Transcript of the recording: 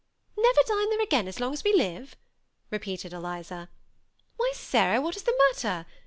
" Never dine there again as long as we live !" re peated Eliza. " Why, Sarah, what is the matter